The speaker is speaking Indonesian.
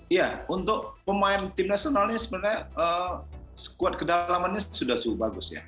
iya untuk pemain tim nasionalnya sebenarnya skuad kedalamannya sudah cukup bagus ya